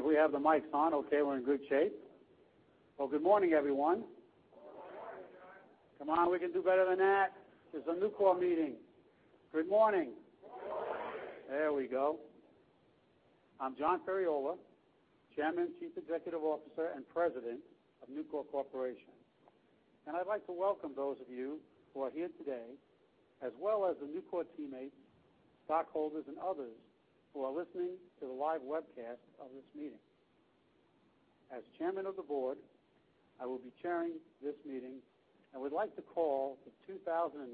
Let's see if we have the mics on. Okay, we're in good shape. Well, good morning, everyone. Good morning. Come on, we can do better than that. This is a Nucor meeting. Good morning. Good morning. There we go. I'm John Ferriola, Chairman, Chief Executive Officer, and President of Nucor Corporation. I'd like to welcome those of you who are here today, as well as the Nucor teammates, stockholders, and others who are listening to the live webcast of this meeting. As chairman of the board, I will be chairing this meeting and would like to call the 2019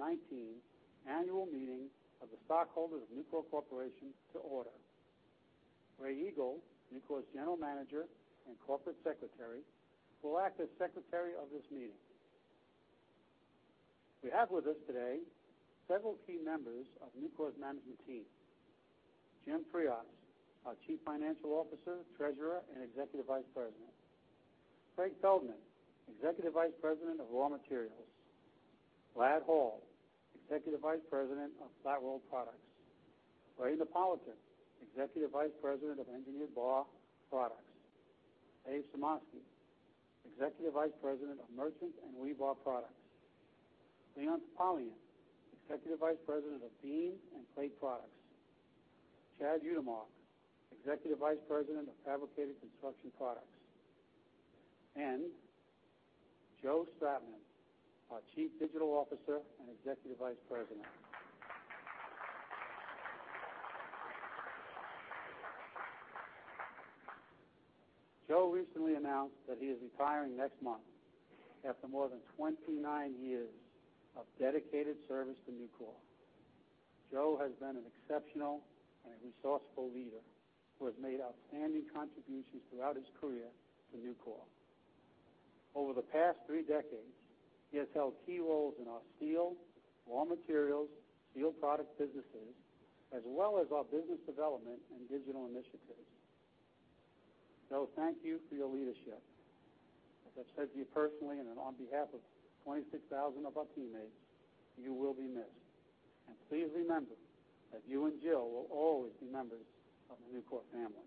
annual meeting of the stockholders of Nucor Corporation to order. A. Rae Eagle, Nucor's General Manager and Corporate Secretary, will act as secretary of this meeting. We have with us today several key members of Nucor's management team. Jim Frias, our Chief Financial Officer, Treasurer, and Executive Vice President. Craig Feldman, Executive Vice President of Raw Materials. Ladd Hall, Executive Vice President of Flat-Rolled Products. Ray Napolitan, Executive Vice President of Engineered Bar Products. Dave Sumoski, Executive Vice President of Merchant and Rebar Products. Leon Topalian, Executive Vice President of Beam and Plate Products. Chad Utermark, Executive Vice President of Fabricated Construction Products. Joe Stratman, our Chief Digital Officer and Executive Vice President. Joe recently announced that he is retiring next month after more than 29 years of dedicated service to Nucor. Joe has been an exceptional and a resourceful leader who has made outstanding contributions throughout his career to Nucor. Over the past three decades, he has held key roles in our steel, raw materials, steel product businesses, as well as our business development and digital initiatives. Joe, thank you for your leadership. As I've said to you personally, and on behalf of 26,000 of our teammates, you will be missed. Please remember that you and Jill will always be members of the Nucor family.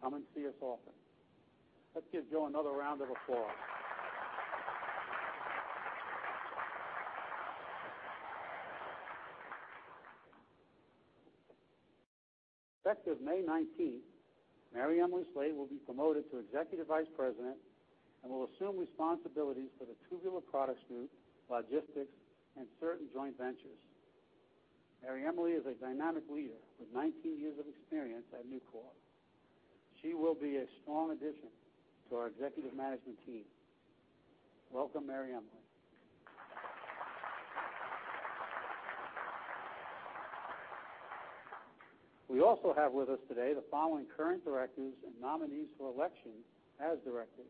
Come and see us often. Let's give Joe another round of applause. Effective May 19th, MaryEmily Slate will be promoted to Executive Vice President and will assume responsibilities for the Tubular Products group, logistics, and certain joint ventures. MaryEmily is a dynamic leader with 19 years of experience at Nucor. She will be a strong addition to our executive management team. Welcome, MaryEmily. We also have with us today the following current directors and nominees for election as directors.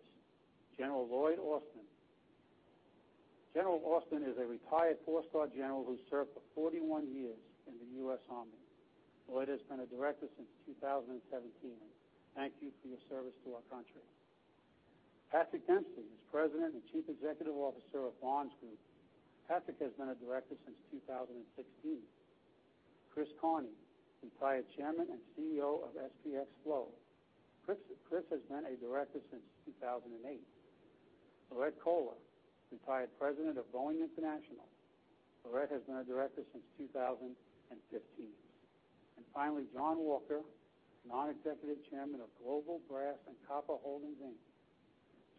General Lloyd Austin. General Austin is a retired four-star general who served for 41 years in the U.S. Army. Lloyd has been a director since 2017. Thank you for your service to our country. Patrick Dempsey, who's President and Chief Executive Officer of Barnes Group. Patrick has been a director since 2016. Chris Kearney, retired Chairman and CEO of SPX FLOW. Chris has been a director since 2008. Laurette Koellner, retired President of Boeing International. Laurette has been a director since 2015. Finally, John Walker, non-executive chairman of Global Brass and Copper Holdings, Inc.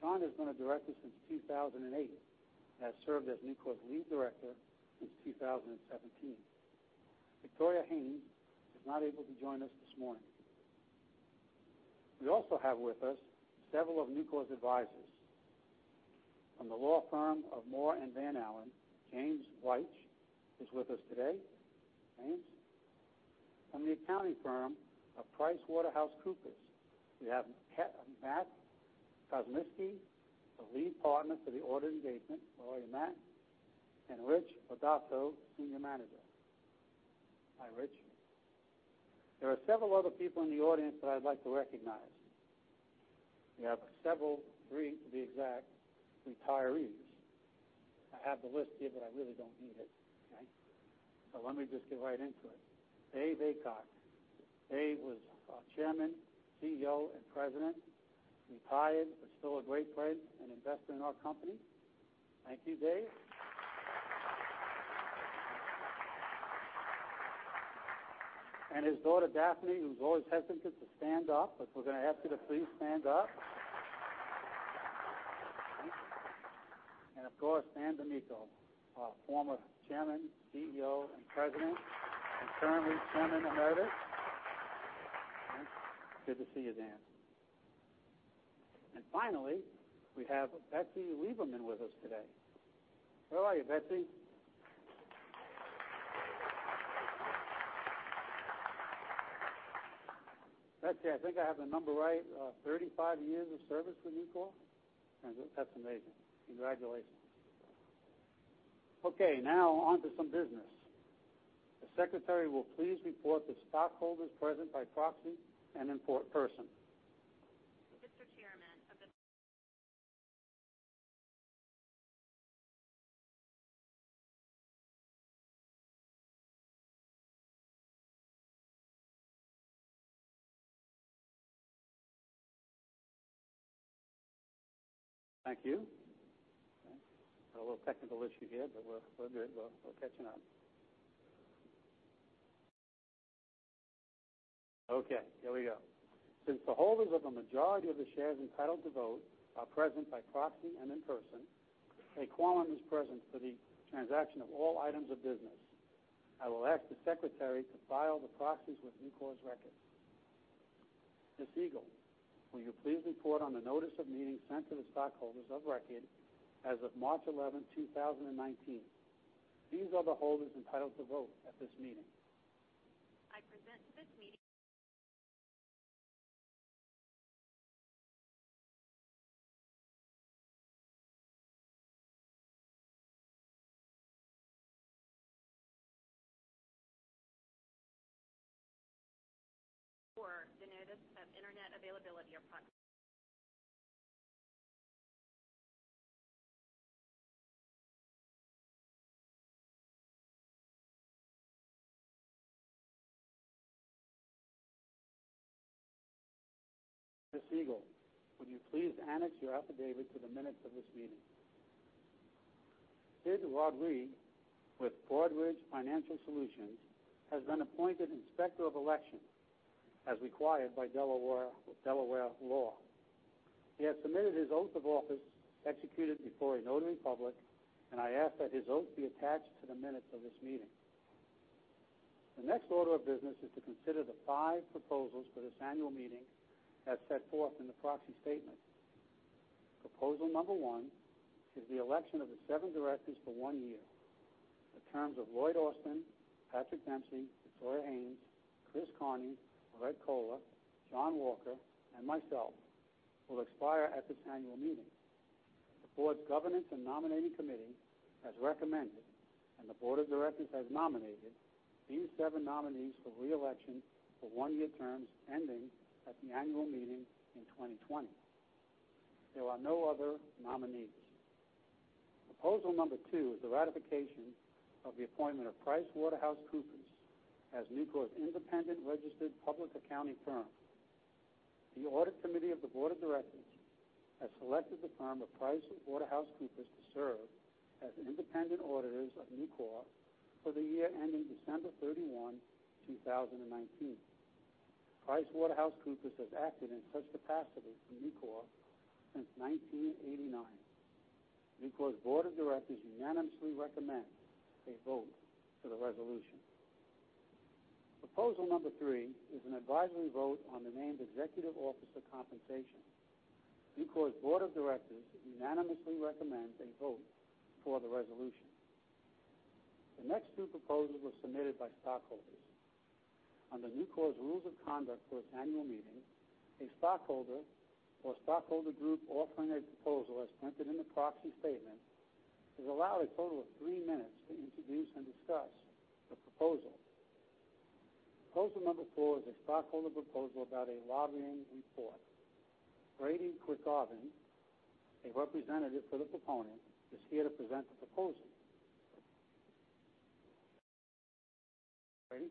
John has been a director since 2008, and has served as Nucor's lead director since 2017. Victoria Haynes is not able to join us this morning. We also have with us several of Nucor's advisors. From the law firm of Moore & Van Allen, James Wyche is with us today. James. From the accounting firm of PricewaterhouseCoopers, we have Matt Kosmiski, the lead partner for the audit engagement. How are you, Matt? Rich Rodoto, Senior Manager. Hi, Rich. There are several other people in the audience that I'd like to recognize. We have several, three to be exact, retirees. I have the list here, but I really don't need it. Okay. Let me just get right into it. Dave Aycock. Dave was our chairman, CEO, and president. Retired, but still a great friend and investor in our company. Thank you, Dave. His daughter, Daphne, who's always hesitant to stand up, but we're going to ask you to please stand up. Of course, Dan DiMicco, our former chairman, CEO, and president and currently chairman emeritus. Good to see you, Dan. Finally, we have Betsy Lieberman with us today. Where are you, Betsy? Betsy, I think I have the number right, 35 years of service with Nucor? That's amazing. Congratulations. Okay, now on to some business. The secretary will please report the stockholders present by proxy and in person. Mr. Chairman Thank you. Had a little technical issue here, but we're good. We're catching up. Okay, here we go. Since the holders of the majority of the shares entitled to vote are present by proxy and in person, a quorum is present for the transaction of all items of business. I will ask the secretary to file the proxies with Nucor's records. Ms. Eagle, will you please report on the notice of meeting sent to the stockholders of record as of March 11, 2019? These are the holders entitled to vote at this meeting. I present to this meeting for the notice of internet availability or proxy. Ms. Eagle, would you please annex your affidavit to the minutes of this meeting? Sid Rodrie with Broadridge Financial Solutions has been appointed Inspector of Election as required by Delaware law. He has submitted his oath of office executed before a notary public. I ask that his oath be attached to the minutes of this meeting. The next order of business is to consider the five proposals for this annual meeting as set forth in the proxy statement. Proposal number one is the election of the seven directors for one year. The terms of Lloyd Austin, Patrick Dempsey, Victoria Haynes, Chris Kearney, Fred Kohler, John Walker, and myself will expire at this annual meeting. The board's governance and nominating committee has recommended. The board of directors has nominated these seven nominees for re-election for one-year terms ending at the annual meeting in 2020. There are no other nominees. Proposal number two is the ratification of the appointment of PricewaterhouseCoopers as Nucor's independent registered public accounting firm. The audit committee of the board of directors has selected the firm of PricewaterhouseCoopers to serve as independent auditors of Nucor for the year ending December 31, 2019. PricewaterhouseCoopers has acted in such capacity for Nucor since 1989. Nucor's board of directors unanimously recommends a vote for the resolution. Proposal number three is an advisory vote on the named executive officer compensation. Nucor's board of directors unanimously recommends a vote for the resolution. The next two proposals were submitted by stockholders. Under Nucor's rules of conduct for its annual meeting, a stockholder or stockholder group offering a proposal as printed in the proxy statement is allowed a total of three minutes to introduce and discuss the proposal. Proposal number four is a stockholder proposal about a lobbying report. Brady Quirk-Garvin, a representative for the proponent, is here to present the proposal. Brady?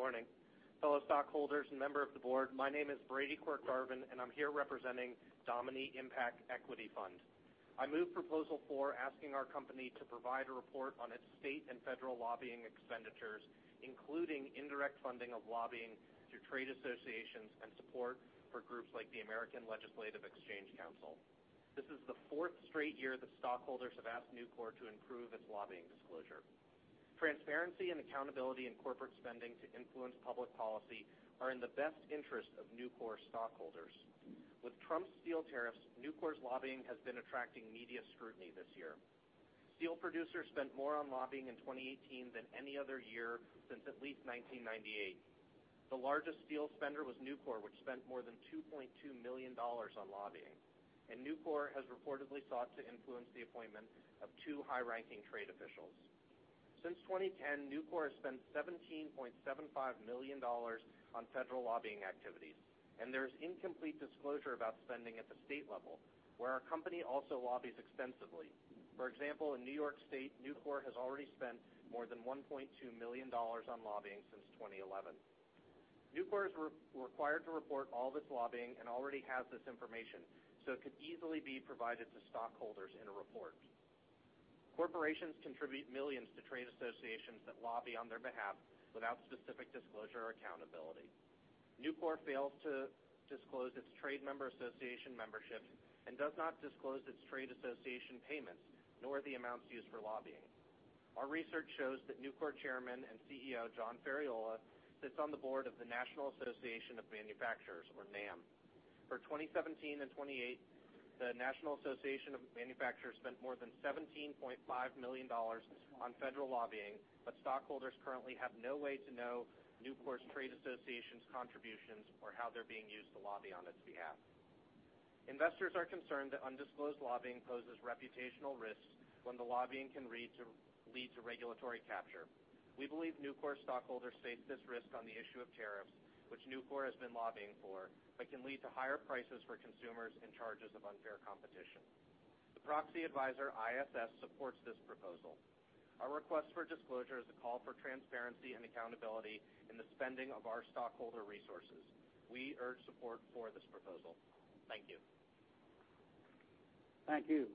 Good morning, fellow stockholders and member of the board. My name is Brady Quirk-Garvin. I'm here representing Domini Impact Equity Fund. I move proposal four, asking our company to provide a report on its state and federal lobbying expenditures, including indirect funding of lobbying through trade associations and support for groups like the American Legislative Exchange Council. This is the fourth straight year that stockholders have asked Nucor to improve its lobbying disclosure. Transparency and accountability in corporate spending to influence public policy are in the best interest of Nucor stockholders. With Trump's steel tariffs, Nucor's lobbying has been attracting media scrutiny this year. Steel producers spent more on lobbying in 2018 than any other year since at least 1998. The largest steel spender was Nucor, which spent more than $2.2 million on lobbying. Nucor has reportedly sought to influence the appointment of two high-ranking trade officials. Since 2010, Nucor has spent $17.75 million on federal lobbying activities, and there is incomplete disclosure about spending at the state level, where our company also lobbies extensively. For example, in New York State, Nucor has already spent more than $1.2 million on lobbying since 2011. Nucor is required to report all of its lobbying and already has this information, so it could easily be provided to stockholders in a report. Corporations contribute millions to trade associations that lobby on their behalf without specific disclosure or accountability. Nucor fails to disclose its trade member association membership and does not disclose its trade association payments, nor the amounts used for lobbying. Our research shows that Nucor Chairman and CEO, John Ferriola, sits on the board of the National Association of Manufacturers, or NAM. For 2017 and 2028, the National Association of Manufacturers spent more than $17.5 million on federal lobbying, but stockholders currently have no way to know Nucor's trade association's contributions or how they're being used to lobby on its behalf. Investors are concerned that undisclosed lobbying poses reputational risks when the lobbying can lead to regulatory capture. We believe Nucor stockholders face this risk on the issue of tariffs, which Nucor has been lobbying for, but can lead to higher prices for consumers and charges of unfair competition. The proxy advisor, ISS, supports this proposal. Our request for disclosure is a call for transparency and accountability in the spending of our stockholder resources. We urge support for this proposal. Thank you. Thank you.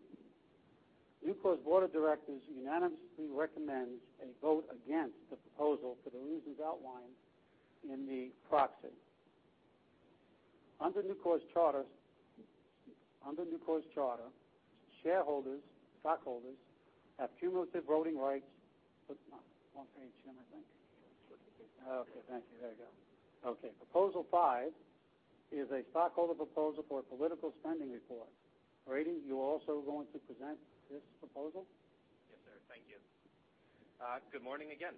Nucor's board of directors unanimously recommends a vote against the proposal for the reasons outlined in the proxy. Under Nucor's charter, shareholders, stockholders have cumulative voting rights. Wrong page, Jim, I think. Sure. Okay, thank you. There we go. Okay, proposal 5 is a stockholder proposal for political spending report. Brady, you're also going to present this proposal? Yes, sir. Thank you. Good morning again.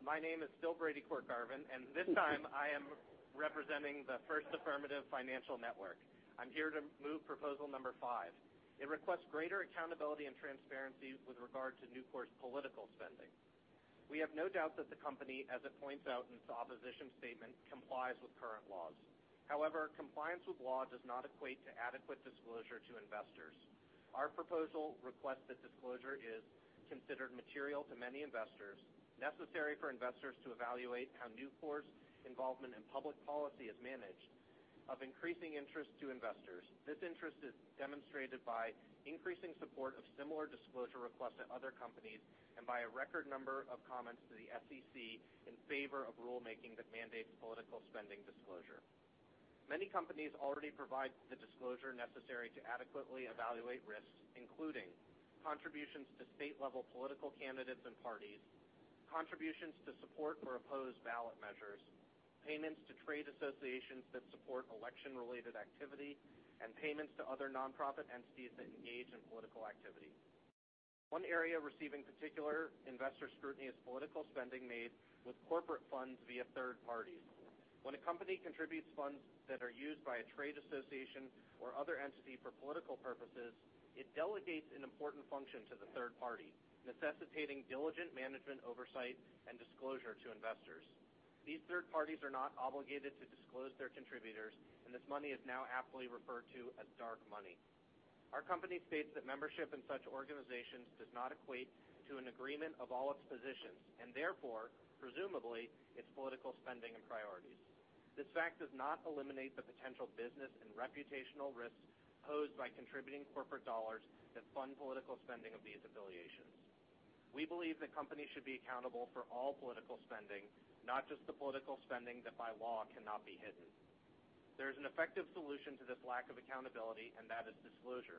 My name is still Brady Quirk-Garvin, and this time I am representing the First Affirmative Financial Network. I am here to move proposal number five. It requests greater accountability and transparency with regard to Nucor's political spending. We have no doubt that the company, as it points out in its opposition statement, complies with current laws. However, compliance with law does not equate to adequate disclosure to investors. Our proposal requests that disclosure is considered material to many investors, necessary for investors to evaluate how Nucor's involvement in public policy is managed, of increasing interest to investors. This interest is demonstrated by increasing support of similar disclosure requests at other companies, and by a record number of comments to the SEC in favor of rulemaking that mandates political spending disclosure. Many companies already provide the disclosure necessary to adequately evaluate risks, including contributions to state-level political candidates and parties, contributions to support or oppose ballot measures, payments to trade associations that support election-related activity, and payments to other non-profit entities that engage in political activity. One area receiving particular investor scrutiny is political spending made with corporate funds via third parties. When a company contributes funds that are used by a trade association or other entity for political purposes, it delegates an important function to the third party, necessitating diligent management oversight and disclosure to investors. These third parties are not obligated to disclose their contributors, and this money is now aptly referred to as dark money. Our company states that membership in such organizations does not equate to an agreement of all its positions, and therefore, presumably, its political spending and priorities. This fact does not eliminate the potential business and reputational risks posed by contributing corporate dollars that fund political spending of these affiliations. We believe that companies should be accountable for all political spending, not just the political spending that by law cannot be hidden. There is an effective solution to this lack of accountability, and that is disclosure.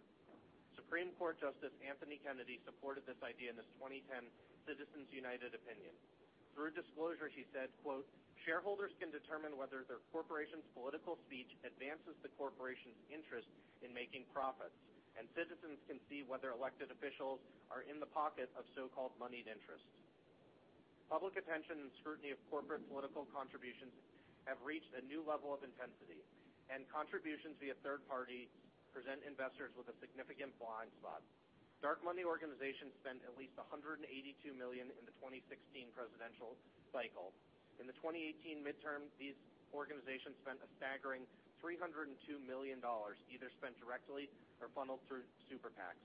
Supreme Court Justice Anthony Kennedy supported this idea in his 2010 Citizens United opinion. Through disclosure, he said, quote, "Shareholders can determine whether their corporation's political speech advances the corporation's interest in making profits. Citizens can see whether elected officials are in the pocket of so-called moneyed interests." Public attention and scrutiny of corporate political contributions have reached a new level of intensity, and contributions via third party present investors with a significant blind spot. Dark money organizations spent at least $182 million in the 2016 presidential cycle. In the 2018 midterm, these organizations spent a staggering $302 million, either spent directly or funneled through super PACs.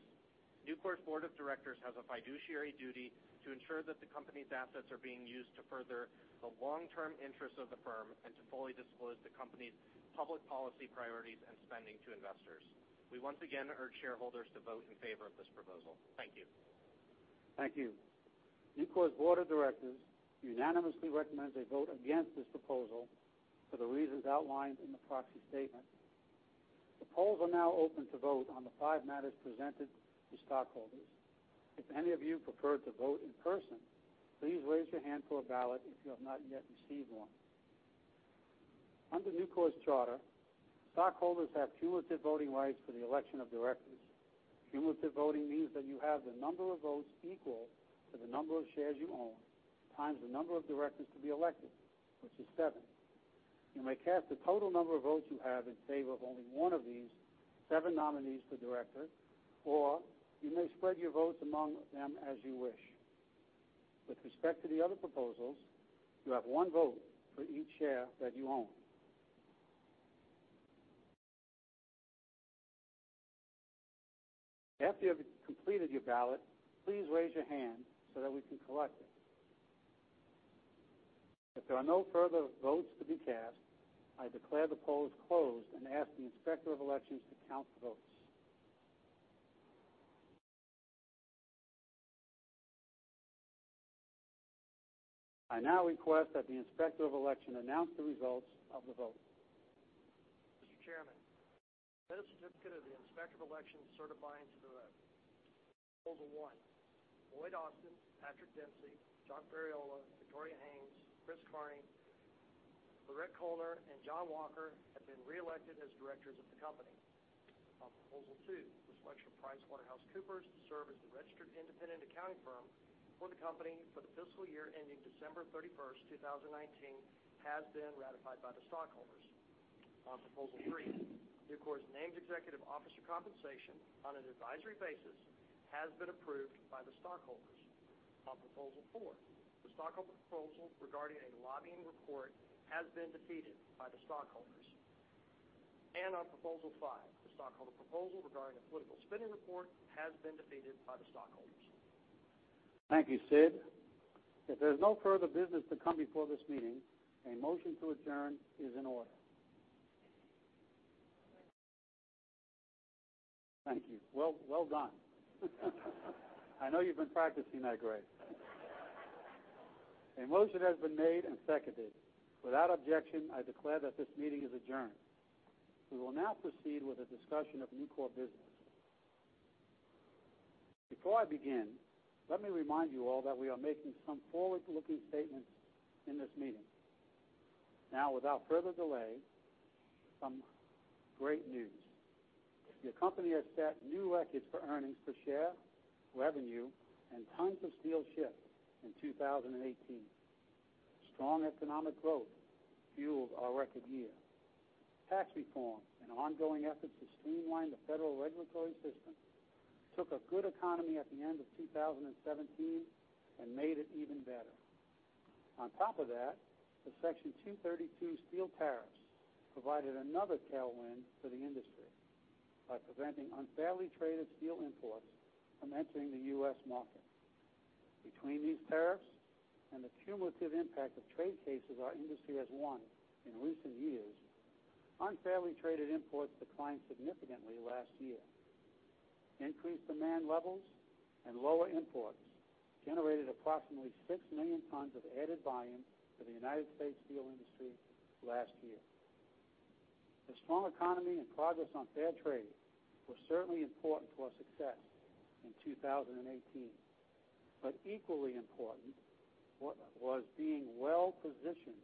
Nucor's board of directors has a fiduciary duty to ensure that the company's assets are being used to further the long-term interests of the firm and to fully disclose the company's public policy priorities and spending to investors. We once again urge shareholders to vote in favor of this proposal. Thank you. Thank you. Nucor's board of directors unanimously recommends a vote against this proposal for the reasons outlined in the proxy statement. The polls are now open to vote on the five matters presented to stockholders. If any of you prefer to vote in person, please raise your hand for a ballot if you have not yet received one. Under Nucor's charter, stockholders have cumulative voting rights for the election of directors. Cumulative voting means that you have the number of votes equal to the number of shares you own times the number of directors to be elected, which is seven. You may cast the total number of votes you have in favor of only one of these seven nominees for director, or you may spread your votes among them as you wish. With respect to the other proposals, you have one vote for each share that you own. After you have completed your ballot, please raise your hand so that we can collect it. If there are no further votes to be cast, I declare the polls closed and ask the Inspector of Elections to count the votes. I now request that the Inspector of Election announce the results of the vote. Mr. Chairman, I have a certificate of the Inspector of Elections certifying to the vote. Proposal one, Lloyd Austin, Patrick Dempsey, John Ferriola, Victoria Haynes, Chris Kearney, Bernard L. M. Kasriel, and John Walker have been reelected as directors of the company. On proposal two, the selection of PricewaterhouseCoopers to serve as the registered independent accounting firm for the company for the fiscal year ending December 31st, 2019, has been ratified by the stockholders. On proposal three, Nucor's named executive officer compensation on an advisory fee has been approved by the stockholders. On Proposal four, the stockholder proposal regarding a lobbying report has been defeated by the stockholders. And on Proposal five, the stockholder proposal regarding a political spending report has been defeated by the stockholders. Thank you, Sid. If there's no further business to come before this meeting, a motion to adjourn is in order. Thank you. Well done. I know you've been practicing that, Greg. A motion has been made and seconded. Without objection, I declare that this meeting is adjourned. We will now proceed with a discussion of Nucor business. Before I begin, let me remind you all that we are making some forward-looking statements in this meeting. Now, without further delay, some great news. The company has set new records for earnings per share, revenue, and tons of steel shipped in 2018. Strong economic growth fueled our record year. Tax reform and ongoing efforts to streamline the federal regulatory system took a good economy at the end of 2017 and made it even better. On top of that, the Section 232 steel tariffs provided another tailwind for the industry by preventing unfairly traded steel imports from entering the U.S. market. Between these tariffs and the cumulative impact of trade cases our industry has won in recent years, unfairly traded imports declined significantly last year. Increased demand levels and lower imports generated approximately 6 million tons of added volume for the U.S. steel industry last year. The strong economy and progress on fair trade were certainly important to our success in 2018. Equally important was being well-positioned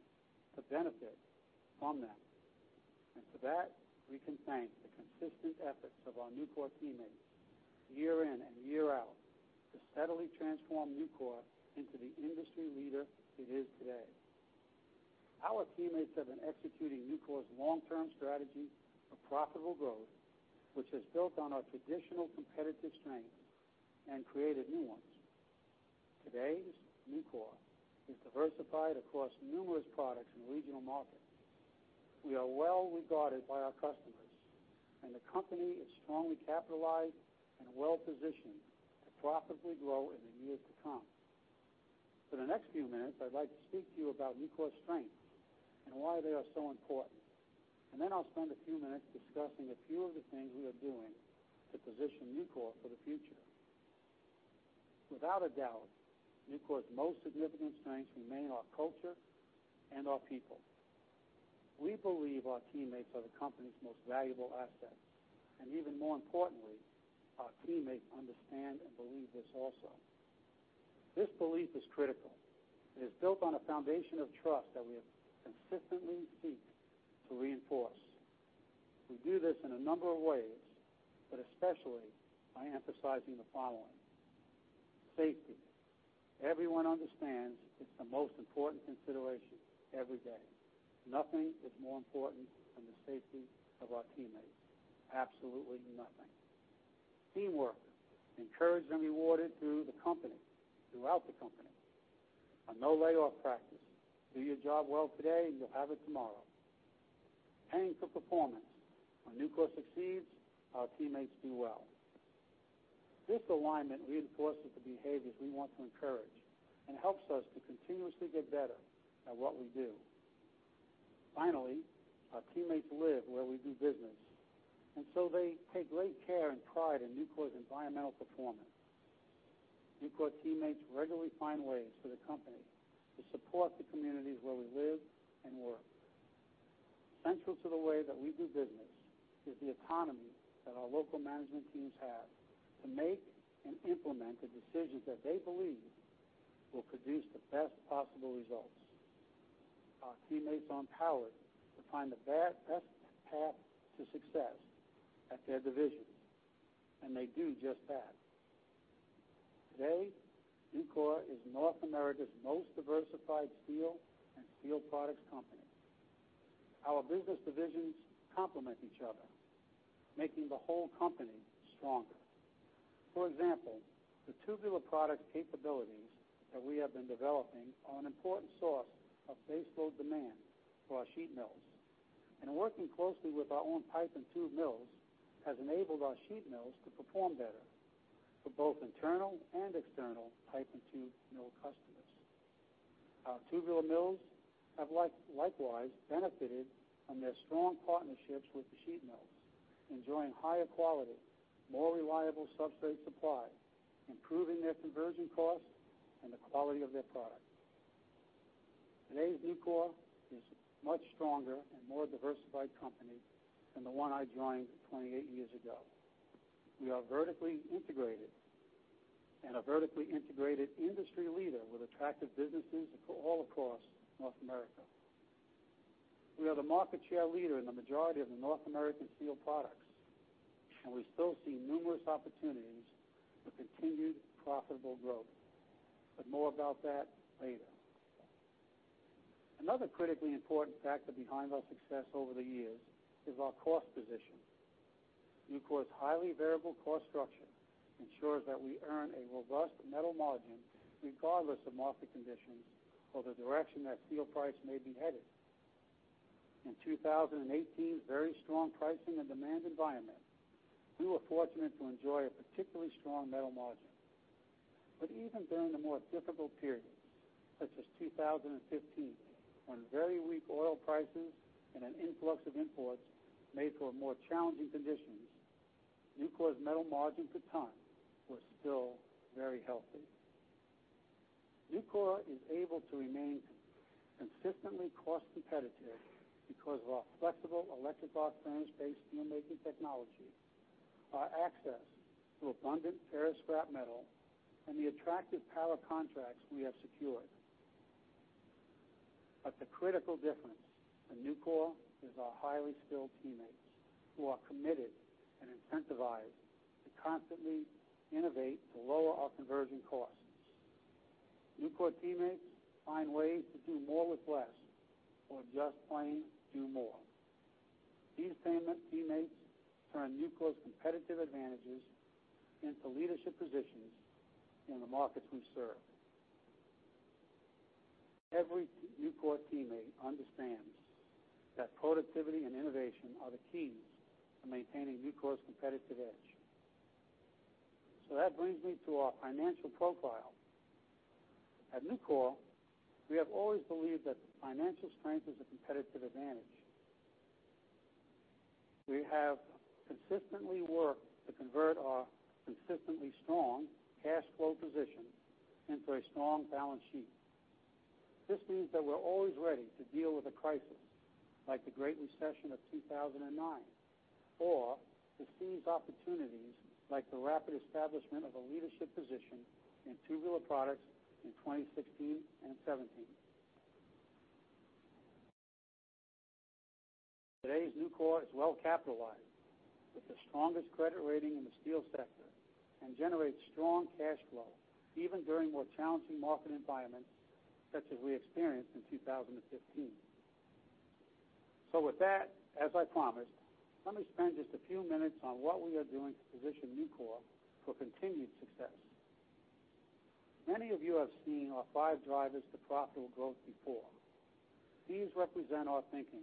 to benefit from that. For that, we can thank the consistent efforts of our Nucor teammates year in and year out to steadily transform Nucor into the industry leader it is today. Our teammates have been executing Nucor's long-term strategy of profitable growth, which has built on our traditional competitive strengths and created new ones. Today's Nucor is diversified across numerous products and regional markets. We are well-regarded by our customers, the company is strongly capitalized and well-positioned to profitably grow in the years to come. For the next few minutes, I'd like to speak to you about Nucor's strengths and why they are so important. Then I'll spend a few minutes discussing a few of the things we are doing to position Nucor for the future. Without a doubt, Nucor's most significant strengths remain our culture and our people. We believe our teammates are the company's most valuable asset, even more importantly, our teammates understand and believe this also. This belief is critical and is built on a foundation of trust that we have consistently sought to reinforce. We do this in a number of ways, especially by emphasizing the following. Safety. Everyone understands it's the most important consideration every day. Nothing is more important than the safety of our teammates. Absolutely nothing. Teamwork, encouraged and rewarded throughout the company. A no-layoff practice. Do your job well today and you'll have it tomorrow. Paying for performance. When Nucor succeeds, our teammates do well. This alignment reinforces the behaviors we want to encourage and helps us to continuously get better at what we do. Finally, our teammates live where we do business, so they take great care and pride in Nucor's environmental performance. Nucor teammates regularly find ways for the company to support the communities where we live and work. Central to the way that we do business is the autonomy that our local management teams have to make and implement the decisions that they believe will produce the best possible results. Our teammates are empowered to find the best path to success at their divisions, they do just that. Today, Nucor is North America's most diversified steel and steel products company. Our business divisions complement each other, making the whole company stronger. For example, the tubular product capabilities that we have been developing are an important source of base load demand for our sheet mills. Working closely with our own pipe and tube mills has enabled our sheet mills to perform better for both internal and external pipe and tube mill customers. Our tubular mills have likewise benefited from their strong partnerships with the sheet mills, enjoying higher quality, more reliable substrate supply, improving their conversion cost and the quality of their product. Today's Nucor is a much stronger and more diversified company than the one I joined 28 years ago. We are vertically integrated and a vertically integrated industry leader with attractive businesses all across North America. We are the market share leader in the majority of the North American steel products, and we still see numerous opportunities for continued profitable growth. More about that later. Another critically important factor behind our success over the years is our cost position. Nucor's highly variable cost structure ensures that we earn a robust metal margin regardless of market conditions or the direction that steel price may be headed. In 2018, very strong pricing and demand environment, we were fortunate to enjoy a particularly strong metal margin. Even during the more difficult periods, such as 2015, when very weak oil prices and an influx of imports made for more challenging conditions, Nucor's metal margin per ton was still very healthy. Nucor is able to remain consistently cost competitive because of our flexible electric arc furnace-based steelmaking technology, our access to abundant ferrous scrap metal, and the attractive power contracts we have secured. The critical difference in Nucor is our highly skilled teammates who are committed and incentivized to constantly innovate to lower our conversion costs. Nucor teammates find ways to do more with less or just plain do more. These teammates turn Nucor's competitive advantages into leadership positions in the markets we serve. Every Nucor teammate understands that productivity and innovation are the keys to maintaining Nucor's competitive edge. That brings me to our financial profile. At Nucor, we have always believed that financial strength is a competitive advantage. We have consistently worked to convert our consistently strong cash flow position into a strong balance sheet. This means that we're always ready to deal with a crisis, like the Great Recession of 2009, or to seize opportunities, like the rapid establishment of a leadership position in Tubular Products in 2016 and 2017. Today's Nucor is well-capitalized, with the strongest credit rating in the steel sector and generates strong cash flow even during more challenging market environments such as we experienced in 2015. With that, as I promised, let me spend just a few minutes on what we are doing to position Nucor for continued success. Many of you have seen our five drivers to profitable growth before. These represent our thinking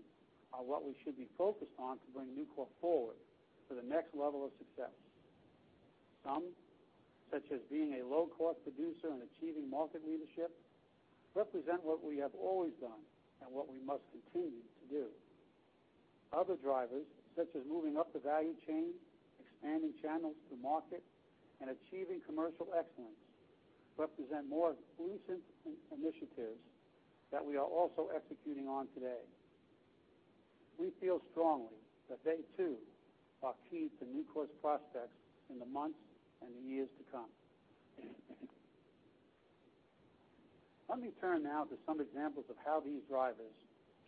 on what we should be focused on to bring Nucor forward to the next level of success. Some, such as being a low-cost producer and achieving market leadership, represent what we have always done and what we must continue to do. Other drivers, such as moving up the value chain, expanding channels to market, and achieving commercial excellence, represent more recent initiatives that we are also executing on today. We feel strongly that they too are key to Nucor's prospects in the months and the years to come. Let me turn now to some examples of how these drivers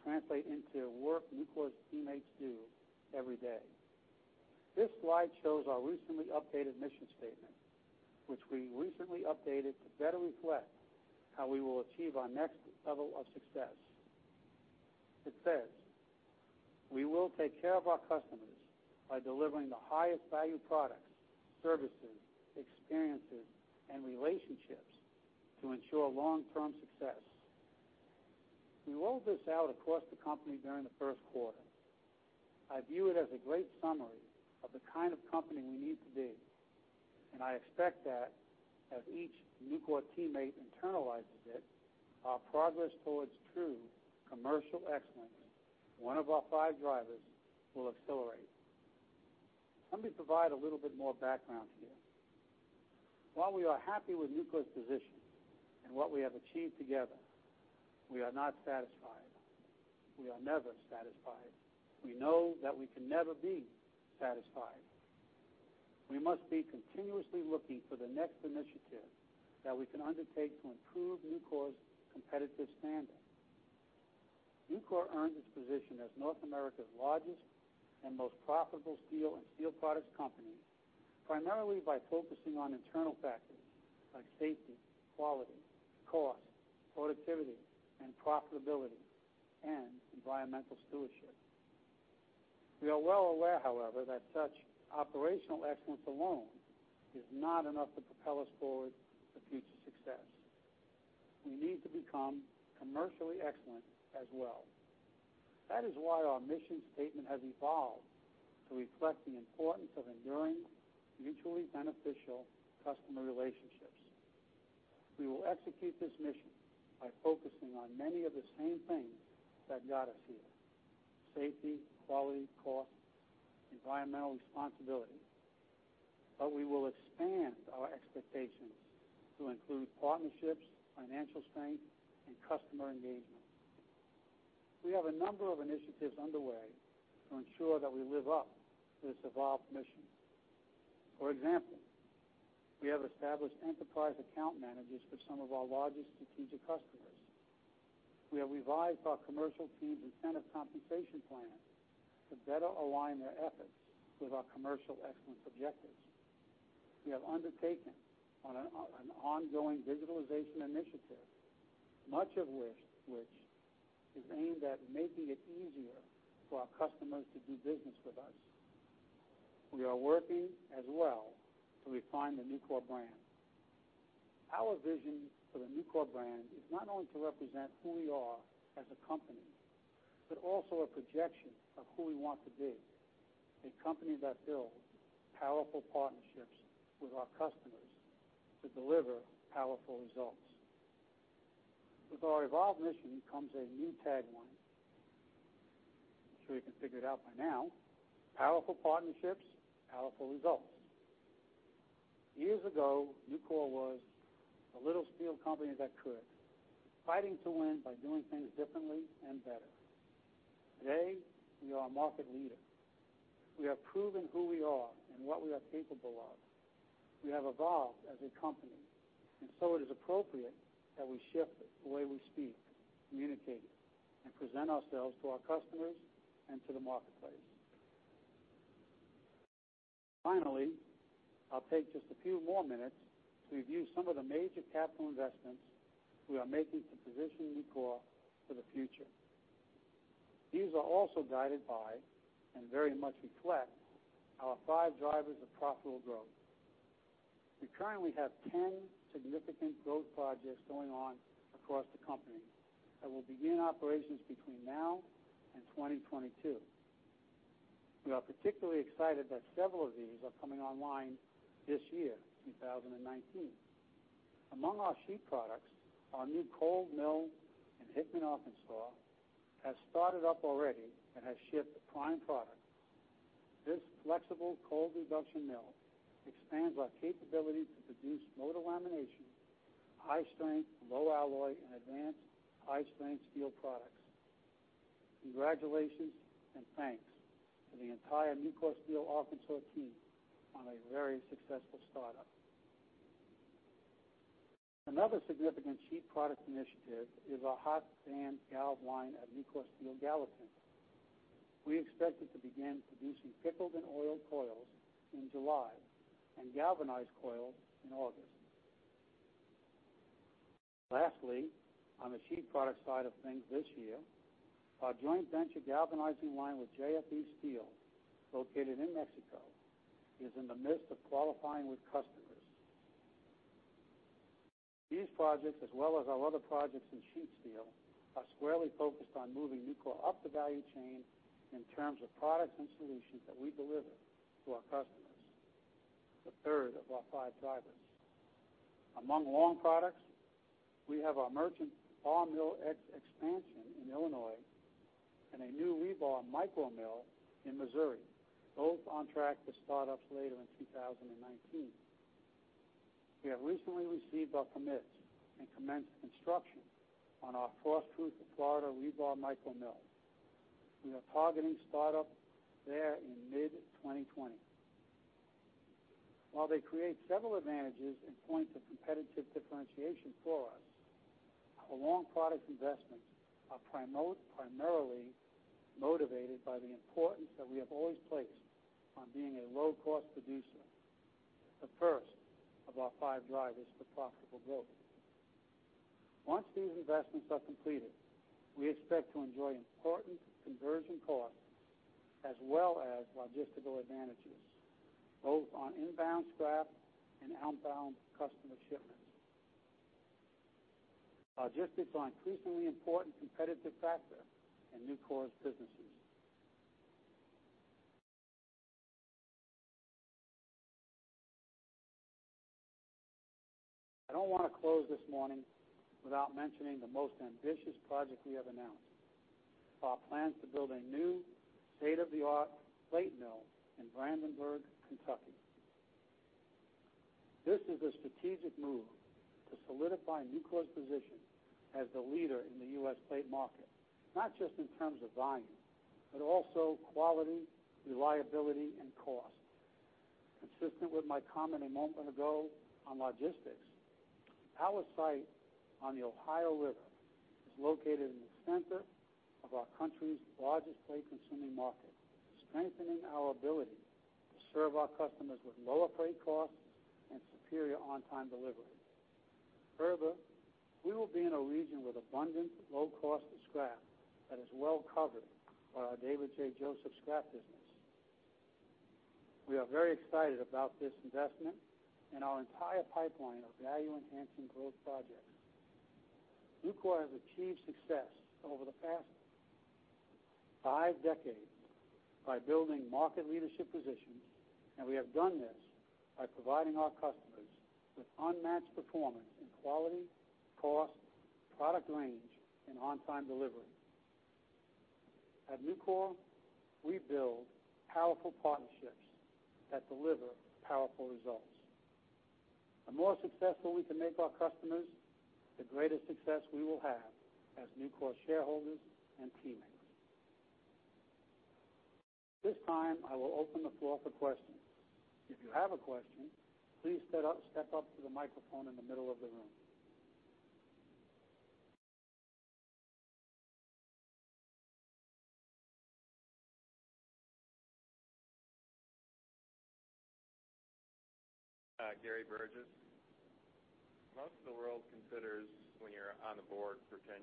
translate into work Nucor's teammates do every day. This slide shows our recently updated mission statement, which we recently updated to better reflect how we will achieve our next level of success. It says, "We will take care of our customers by delivering the highest-value products, services, experiences, and relationships to ensure long-term success." We rolled this out across the company during the first quarter. I view it as a great summary of the kind of company we need to be, and I expect that as each Nucor teammate internalizes it, our progress towards true commercial excellence, one of our five drivers, will accelerate. Let me provide a little bit more background here. While we are happy with Nucor's position and what we have achieved together, we are not satisfied. We are never satisfied. We know that we can never be satisfied. We must be continuously looking for the next initiative that we can undertake to improve Nucor's competitive standing. Nucor earned its position as North America's largest and most profitable steel and steel products company primarily by focusing on internal factors like safety, quality, cost, productivity, profitability and environmental stewardship. We are well aware, however, that such operational excellence alone is not enough to propel us forward to future success. We need to become commercially excellent as well. That is why our mission statement has evolved to reflect the importance of enduring mutually beneficial customer relationships. We will execute this mission by focusing on many of the same things that got us here: safety, quality, cost, environmental responsibility. We will expand our expectations to include partnerships, financial strength, and customer engagement. We have a number of initiatives underway to ensure that we live up to this evolved mission. For example, we have established enterprise account managers for some of our largest strategic customers. We have revised our commercial teams' incentive compensation plan to better align their efforts with our commercial excellence objectives. We have undertaken on an ongoing digitalization initiative, much of which is aimed at making it easier for our customers to do business with us. We are working as well to refine the Nucor brand. Our vision for the Nucor brand is not only to represent who we are as a company, but also a projection of who we want to be, a company that builds powerful partnerships with our customers to deliver powerful results. With our evolved mission comes a new tagline. I'm sure you can figure it out by now. Powerful partnerships, powerful results. Years ago, Nucor was a little steel company that could, fighting to win by doing things differently and better. Today, we are a market leader. We have proven who we are and what we are capable of. We have evolved as a company. It is appropriate that we shift the way we speak, communicate, and present ourselves to our customers and to the marketplace. Finally, I'll take just a few more minutes to review some of the major capital investments we are making to position Nucor for the future. These are also guided by and very much reflect our five drivers of profitable growth. We currently have 10 significant growth projects going on across the company that will begin operations between now and 2022. We are particularly excited that several of these are coming online this year, 2019. Among our sheet products, our new cold mill in Hickman, Arkansas, has started up already and has shipped prime product. This flexible cold reduction mill expands our capability to produce motor lamination, high-strength, low-alloy, and advanced high-strength steel products. Congratulations, and thanks to the entire Nucor Steel Arkansas team on a very successful startup. Another significant sheet product initiative is our hot-band galvanizing line at Nucor Steel Gallatin. We expect it to begin producing pickled and oiled coils in July and galvanized coils in August. Lastly, on the sheet product side of things this year, our joint venture galvanizing line with JFE Steel, located in Mexico, is in the midst of qualifying with customers. These projects, as well as our other projects in sheet steel, are squarely focused on moving Nucor up the value chain in terms of products and solutions that we deliver to our customers, the third of our five drivers. Among long products, we have our merchant bar mill expansion in Illinois and a new rebar micro mill in Missouri, both on track for startups later in 2019. We have recently received our permits and commenced construction on our Frostproof, Florida, rebar micro mill. We are targeting startup there in mid-2020. While they create several advantages and points of competitive differentiation for us, our long product investments are primarily motivated by the importance that we have always placed on being a low-cost producer, the first of our five drivers for profitable growth. Once these investments are completed, we expect to enjoy important conversion costs as well as logistical advantages, both on inbound scrap and outbound customer shipments. Logistics are an increasingly important competitive factor in Nucor's businesses. I don't want to close this morning without mentioning the most ambitious project we have announced, our plans to build a new state-of-the-art plate mill in Brandenburg, Kentucky. This is a strategic move to solidify Nucor's position as the leader in the U.S. plate market, not just in terms of volume, but also quality, reliability, and cost. Consistent with my comment a moment ago on logistics, our site on the Ohio River is located in the center of our country's largest plate-consuming market, strengthening our ability to serve our customers with lower plate costs and superior on-time delivery. Further, we will be in a region with abundant low-cost scrap that is well-covered by our David J. Joseph scrap business. We are very excited about this investment and our entire pipeline of value-enhancing growth projects. Nucor has achieved success over the past five decades by building market leadership positions, and we have done this by providing our customers with unmatched performance in quality, cost, product range, and on-time delivery. At Nucor, we build powerful partnerships that deliver powerful results. The more successful we can make our customers, the greater success we will have as Nucor shareholders and teammates. At this time, I will open the floor for questions. If you have a question, please step up to the microphone in the middle of the room. Gary Burgess. Most of the world considers when you're on the board for 10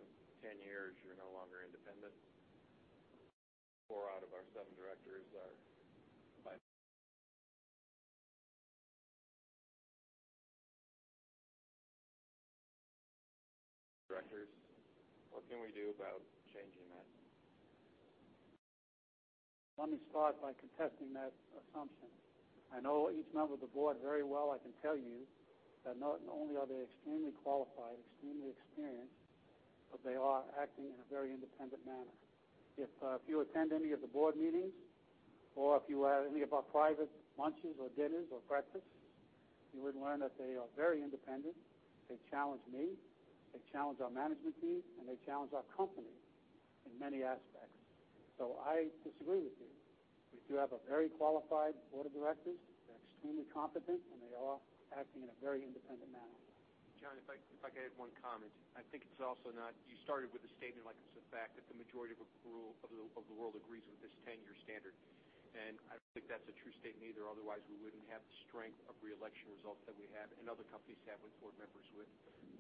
years, you're no longer independent. Four out of our seven directors are. Directors, what can we do about changing that? Let me start by contesting that assumption. I know each member of the board very well. I can tell you that not only are they extremely qualified, extremely experienced, but they are acting in a very independent manner. If you attend any of the board meetings or if you are at any of our private lunches or dinners or breakfasts, you would learn that they are very independent. They challenge me, they challenge our management team, and they challenge our company in many aspects. I disagree with you. We do have a very qualified board of directors. They're extremely competent, and they are acting in a very independent manner. John, if I could add one comment. You started with a statement like it's a fact that the majority of the world agrees with this 10-year standard, and I don't think that's a true statement either. Otherwise, we wouldn't have the strength of re-election results that we have and other companies have with board members with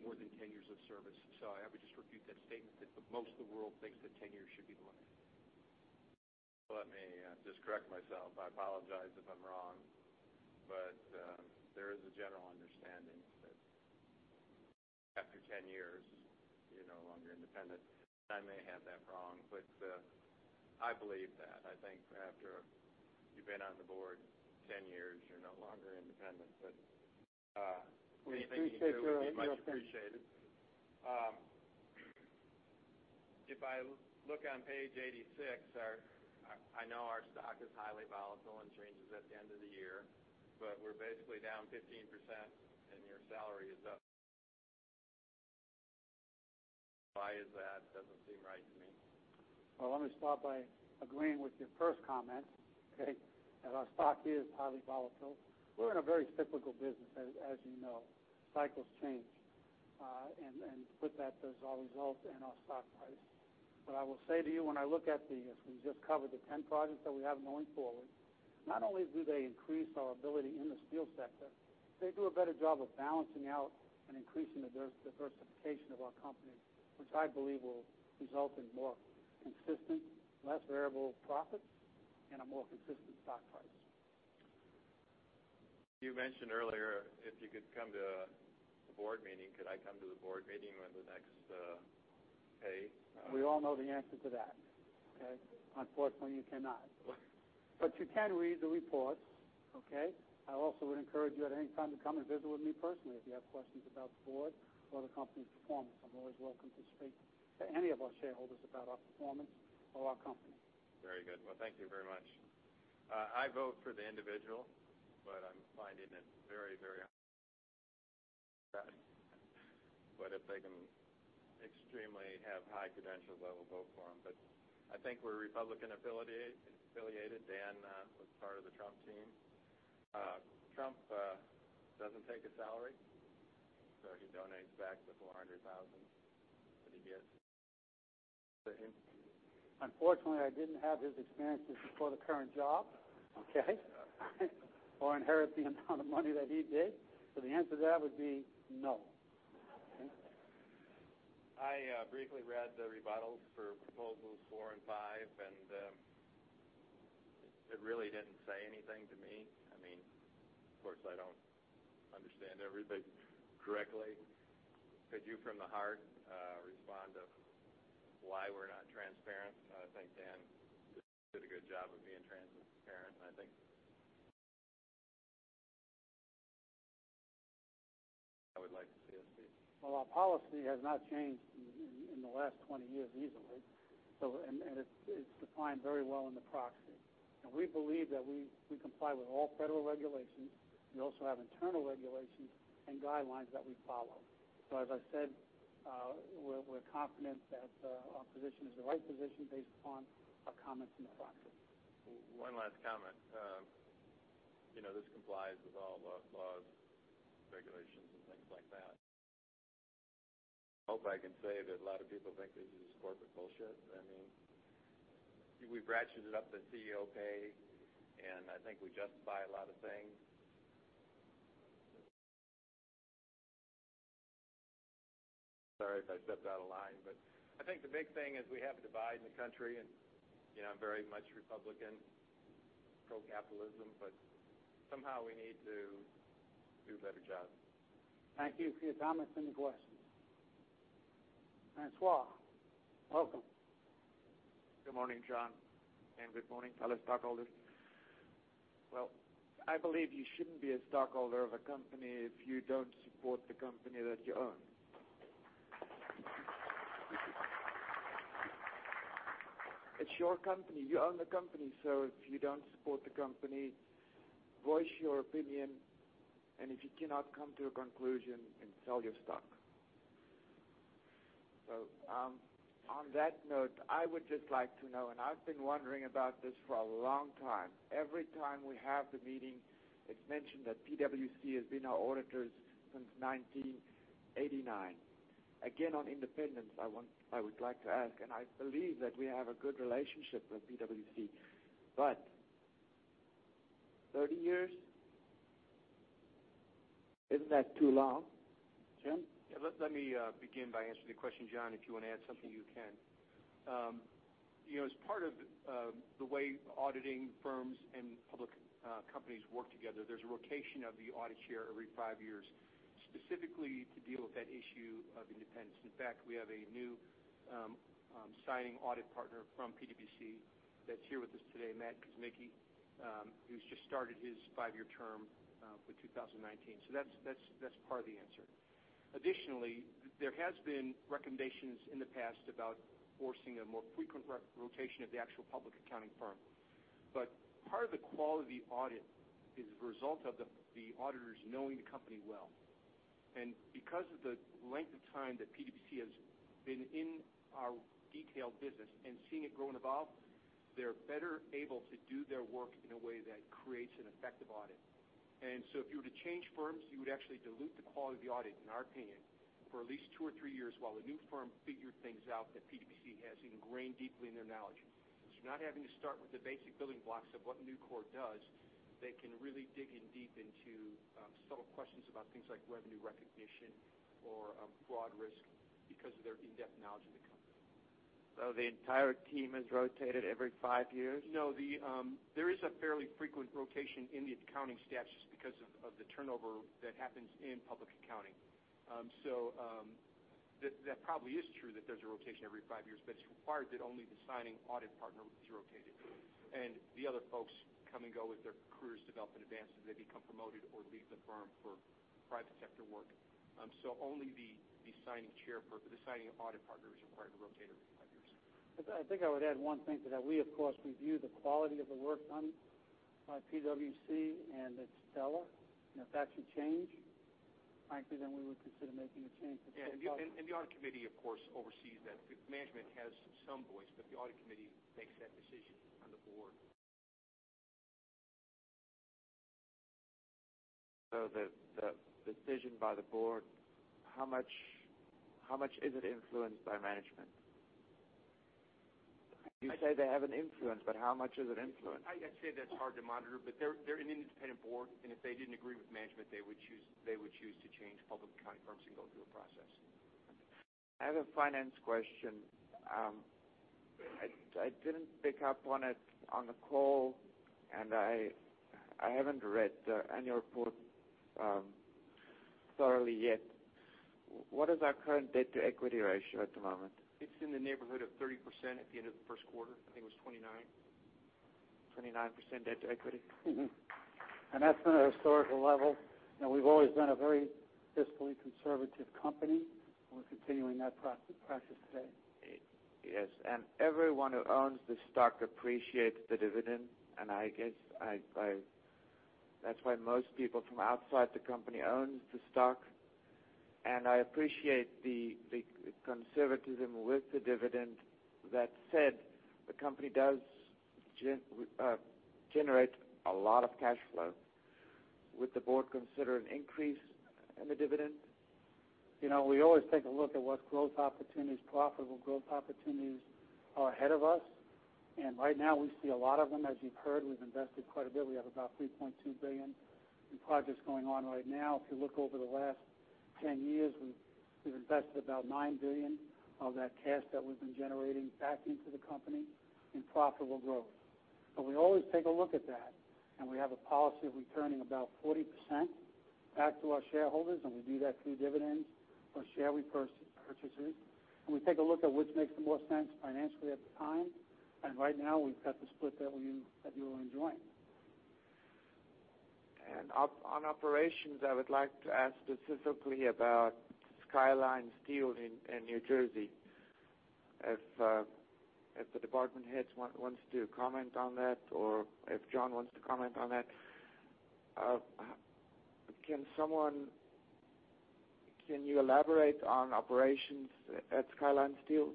more than 10 years of service. I would just refute that statement that most of the world thinks that 10 years should be the limit. Let me just correct myself. I apologize if I'm wrong, but there is a general understanding that after 10 years, you're no longer independent, and I may have that wrong, but I believe that. I think after you've been on the board 10 years, you're no longer independent. Anything you do would be much appreciated. If I look on page 86, I know our stock is highly volatile and changes at the end of the year, but we're basically down 15% and your salary is up. Why is that? Doesn't seem right to me. Well, let me start by agreeing with your first comment, okay, that our stock is highly volatile. We're in a very cyclical business, as you know. Cycles change. With that, there's a result in our stock price. I will say to you, when I look at the, as we just covered, the 10 projects that we have going forward, not only do they increase our ability in the steel sector, they do a better job of balancing out and increasing the diversification of our company, which I believe will result in more consistent, less variable profits, and a more consistent stock price. You mentioned earlier if you could come to a board meeting. Could I come to the board meeting with the next pay? We all know the answer to that, okay? Unfortunately, you cannot. You can read the reports, okay? I also would encourage you at any time to come and visit with me personally if you have questions about the board or the company's performance. I'm always welcome to speak to any of our shareholders about our performance or our company. Very good. Well, thank you very much. I vote for the individual. If they can extremely have high credential level, vote for them. I think we're Republican-affiliated. Dan was part of the Trump team. Trump doesn't take a salary, he donates back the $400,000 that he gets. Unfortunately, I didn't have his experiences before the current job, okay? Inherit the amount of money that he did. The answer to that would be no. I briefly read the rebuttals for proposals four and five, it really didn't say anything to me. Of course, I don't understand everything correctly. Could you from the heart respond to why we're not transparent? I think Dan did a good job of being transparent. I think I would like to see us be. Well, our policy has not changed in the last 20 years easily. It's defined very well in the proxy. We believe that we comply with all federal regulations. We also have internal regulations and guidelines that we follow. As I said, we're confident that our position is the right position based upon our comments in the proxy. One last comment. This complies with all the laws, regulations, and things like that. Hope I can say that a lot of people think this is corporate bullshit. We ratcheted up the CEO pay, I think we justify a lot of things. Sorry if I stepped out of line, I think the big thing is we have a divide in the country, I'm very much Republican, pro-capitalism, somehow we need to do a better job. Thank you for your comments and your questions. Francois, welcome. Good morning, John, and good morning, fellow stockholders. Well, I believe you shouldn't be a stockholder of a company if you don't support the company that you own. It's your company. You own the company. If you don't support the company, voice your opinion, and if you cannot come to a conclusion, then sell your stock. On that note, I would just like to know, and I've been wondering about this for a long time. Every time we have the meeting, it's mentioned that PwC has been our auditors since 1989. Again, on independence, I would like to ask, and I believe that we have a good relationship with PwC, but 30 years, isn't that too long? Jim? Let me begin by answering the question, John. If you want to add something, you can. As part of the way auditing firms and public companies work together, there's a rotation of the audit chair every five years, specifically to deal with that issue of independence. In fact, we have a new signing audit partner from PwC that's here with us today, Matt Kosmiski, who's just started his five-year term for 2019. That's part of the answer. Additionally, there has been recommendations in the past about forcing a more frequent rotation of the actual public accounting firm. Part of the quality audit is the result of the auditors knowing the company well. Because of the length of time that PwC has been in our detailed business and seeing it grow and evolve, they're better able to do their work in a way that creates an effective audit. If you were to change firms, you would actually dilute the quality of the audit, in our opinion, for at least two or three years while a new firm figured things out that PwC has ingrained deeply in their knowledge. Not having to start with the basic building blocks of what Nucor does, they can really dig in deep into subtle questions about things like revenue recognition or fraud risk because of their in-depth knowledge of the company. The entire team has rotated every five years? No, there is a fairly frequent rotation in the accounting staff just because of the turnover that happens in public accounting. That probably is true that there's a rotation every five years, it's required that only the signing audit partner is rotated, the other folks come and go as their careers develop and advance as they become promoted or leave the firm for private sector work. Only the signing audit partner is required to rotate every five years. I think I would add one thing to that. We, of course, review the quality of the work done by PwC, it's stellar. If that should change, frankly, then we would consider making a change. The audit committee, of course, oversees that. Management has some voice, the audit committee makes that decision on the board. The decision by the Board, how much is it influenced by Management? You say they have an influence, but how much is it influenced? I'd say that's hard to monitor, but they're an independent Board, and if they didn't agree with Management, they would choose to change public accounting firms and go through a process. I have a finance question. I didn't pick up on it on the call, and I haven't read the annual report thoroughly yet. What is our current debt-to-equity ratio at the moment? It's in the neighborhood of 30% at the end of the first quarter. I think it was 29. 29% debt to equity. Mm-hmm. That's been a historical level. We've always been a very fiscally conservative company, we're continuing that practice today. Yes. Everyone who owns the stock appreciates the dividend, I guess that's why most people from outside the company own the stock. I appreciate the conservatism with the dividend. That said, the company does generate a lot of cash flow. Would the board consider an increase in the dividend? We always take a look at what profitable growth opportunities are ahead of us, right now we see a lot of them. As you've heard, we've invested quite a bit. We have about $3.2 billion in projects going on right now. If you look over the last 10 years, we've invested about $9 billion of that cash that we've been generating back into the company in profitable growth. We always take a look at that, we have a policy of returning about 40% back to our shareholders, we do that through dividends or share repurchases. We take a look at which makes the most sense financially at the time. Right now, we've got the split that you are enjoying. On operations, I would like to ask specifically about Skyline Steel in New Jersey. If the department heads want to comment on that, or if John wants to comment on that. Can you elaborate on operations at Skyline Steel?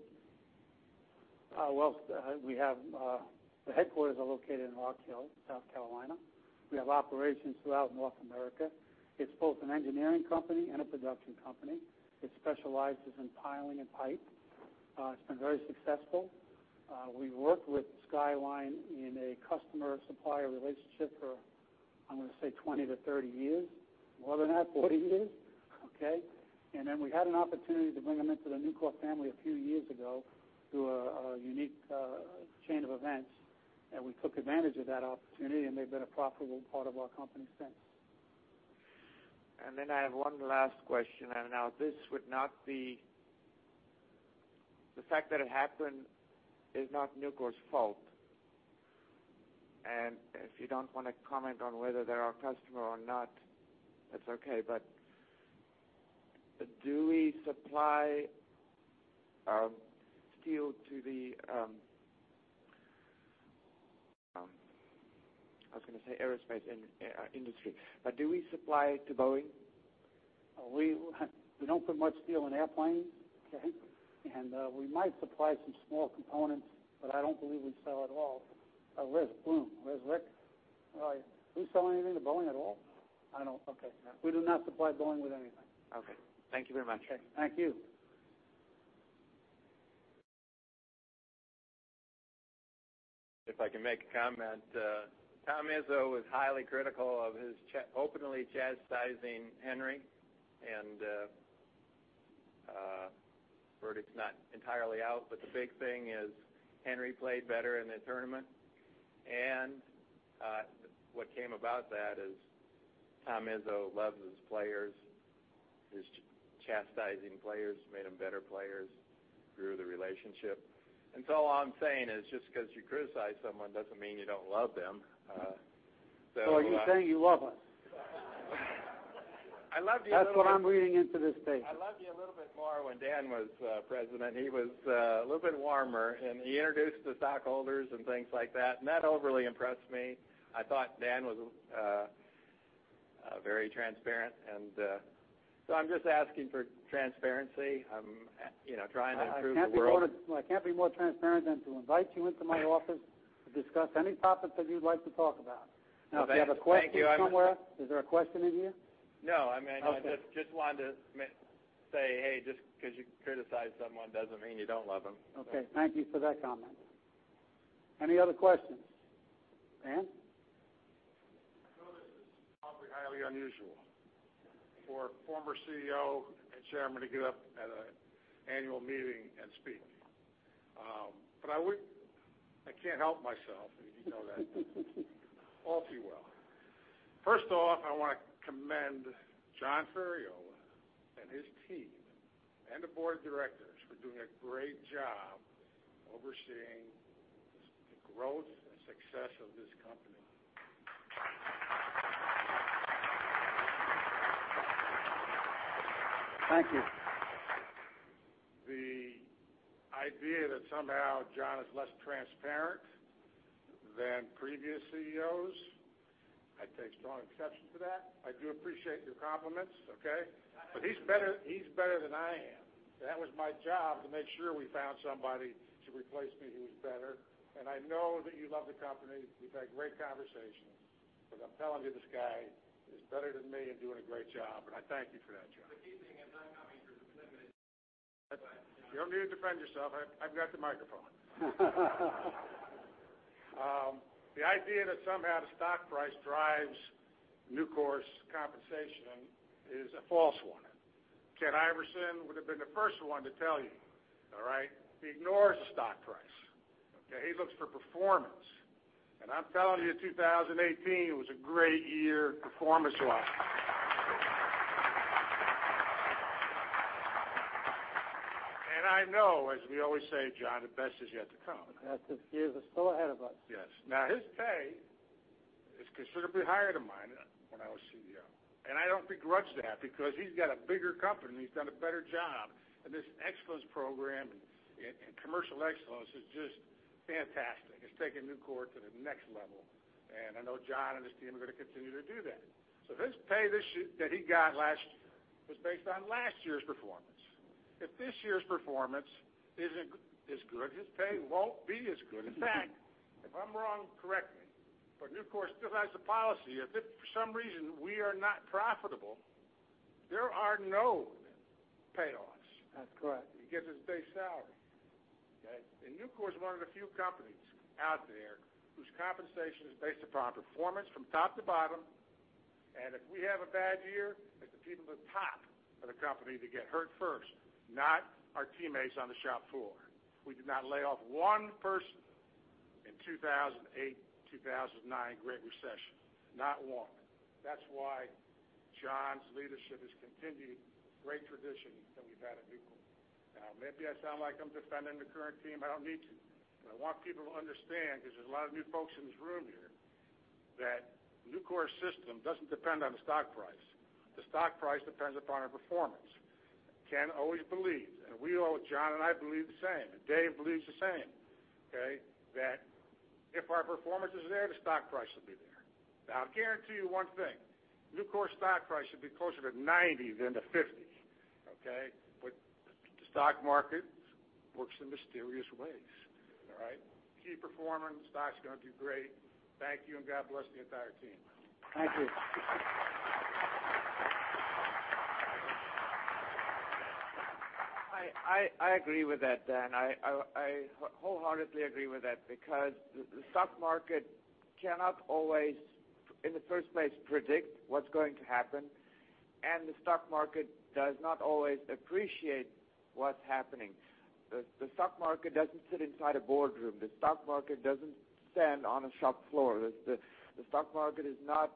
Well, the headquarters are located in Rock Hill, South Carolina. We have operations throughout North America. It's both an engineering company and a production company. It specializes in piling and pipe. It's been very successful. We worked with Skyline in a customer-supplier relationship for, I'm going to say 20 to 30 years. More than that, 40 years. Okay. We had an opportunity to bring them into the Nucor family a few years ago through a unique chain of events, and we took advantage of that opportunity, and they've been a profitable part of our company since. I have one last question, the fact that it happened is not Nucor's fault. If you don't want to comment on whether they're our customer or not, that's okay, but do we supply steel to the, I was going to say aerospace industry. Do we supply to Boeing? We don't put much steel in airplanes. Okay. We might supply some small components, but I don't believe we sell at all. Where's Bloom? Where's Rich? Are we selling anything to Boeing at all? No. Okay. No. We do not supply Boeing with anything. Okay. Thank you very much. Okay. Thank you. If I can make a comment. Tom Izzo was highly critical of his openly chastising Henry, the verdict's not entirely out, but the big thing is Henry played better in the tournament. What came about that is Tom Izzo loves his players. His chastising players made them better players, grew the relationship. All I'm saying is, just because you criticize someone doesn't mean you don't love them. Are you saying you love us? I love you a little. That's what I'm reading into this statement. I loved you a little bit more when Dan was president. He was a little bit warmer. He introduced the stockholders and things like that. That overly impressed me. I thought Dan was very transparent. I'm just asking for transparency. I'm trying to improve the world. I can't be more transparent than to invite you into my office to discuss any topics that you'd like to talk about. Well, thank you. I'm Now, do you have a question somewhere? Is there a question in here? No, I just wanted to say, hey, just because you criticize someone doesn't mean you don't love them. Okay. Thank you for that comment. Any other questions? Dan? I know this is probably highly unusual for a former CEO and chairman to get up at an annual meeting and speak. I can't help myself, and you know that all too well. First off, I want to commend John Ferriola and his team and the board of directors for doing a great job overseeing the growth and success of this company. Thank you. The idea that somehow John is less transparent than previous CEOs, I take strong exception to that. I do appreciate your compliments, okay? I didn't say that. He's better than I am. That was my job to make sure we found somebody to replace me who's better. I know that you love the company. We've had great conversations. I'm telling you, this guy is better than me and doing a great job, and I thank you for that, John. The key thing, I'm not coming for his limit. Go ahead, John. You don't need to defend yourself. I've got the microphone. The idea that somehow the stock price drives Nucor's compensation is a false one. Ken Iverson would've been the first one to tell you, all right? He ignores the stock price. Okay? He looks for performance. I'm telling you, 2018 was a great year performance-wise. I know, as we always say, John, the best is yet to come. The best years are still ahead of us. Yes. Now, his pay is considerably higher than mine when I was CEO, and I don't begrudge that because he's got a bigger company, and he's done a better job. This excellence program and commercial excellence is just fantastic. It's taking Nucor to the next level, and I know John and his team are going to continue to do that. His pay that he got last year was based on last year's performance. If this year's performance isn't as good, his pay won't be as good. In fact, if I'm wrong, correct me, but Nucor still has the policy if, for some reason, we are not profitable, there are no payoffs. That's correct. He gets his base salary. Okay? Nucor is one of the few companies out there whose compensation is based upon performance from top to bottom, if we have a bad year, it's the people at the top of the company that get hurt first, not our teammates on the shop floor. We did not lay off one person in 2008, 2009 Great Recession. Not one. That's why John's leadership has continued a great tradition that we've had at Nucor. Maybe I sound like I'm defending the current team. I don't need to. I want people to understand, because there's a lot of new folks in this room here, that Nucor's system doesn't depend on the stock price. The stock price depends upon our performance. Ken always believed, and we all, John and I, believe the same, and Dave believes the same, okay? If our performance is there, the stock price will be there. I'll guarantee you one thing, Nucor's stock price should be closer to 90 than to 50, okay? The stock market works in mysterious ways. All right? Keep performing. The stock's going to do great. Thank you, and God bless the entire team. Thank you. I agree with that, Dan. I wholeheartedly agree with that because the stock market cannot always, in the first place, predict what's going to happen, and the stock market does not always appreciate what's happening. The stock market doesn't sit inside a boardroom. The stock market doesn't stand on a shop floor. The stock market is not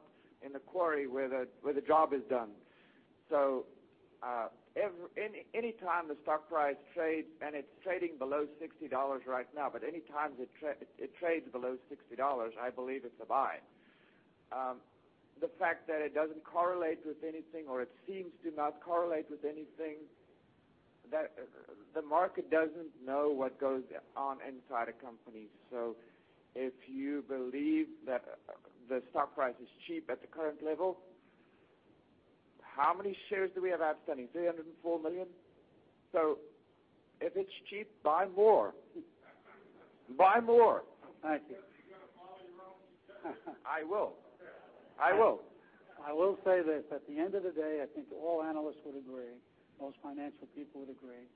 in the quarry where the job is done. Anytime the stock price trades, and it's trading below $60 right now, but anytime it trades below $60, I believe it's a buy. The fact that it doesn't correlate with anything or it seems to not correlate with anything, the market doesn't know what goes on inside a company. If you believe that the stock price is cheap at the current level, how many shares do we have outstanding? 304 million? If it's cheap, buy more. Buy more. Thank you. Are you going to follow your own suggestion? I will. Okay. I will. I will say this. At the end of the day, I think all analysts would agree, most financial people would agree,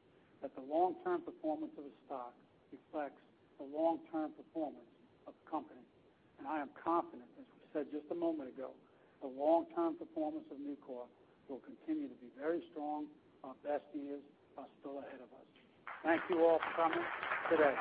that the long-term performance of a stock reflects the long-term performance of the company. I am confident, as we said just a moment ago, the long-term performance of Nucor will continue to be very strong. Our best years are still ahead of us. Thank you all for coming today.